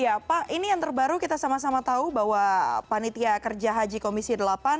iya pak ini yang terbaru kita sama sama tahu bahwa panitia kerja haji komisi delapan